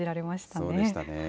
そうでしたね。